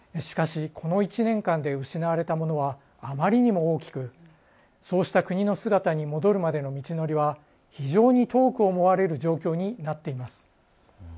しかし、この１年間で失われたものはあまりにも大きくそうした国の姿に戻るまでの道のりは非常に遠く思われる状況になっています。